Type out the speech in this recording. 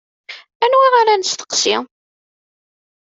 Anwa ara nesteqsi?